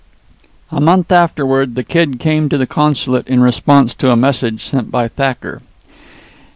A month afterward the Kid came to the consulate in response to a message sent by Thacker.